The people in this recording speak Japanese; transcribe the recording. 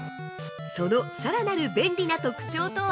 そのさらなる便利な特徴とは？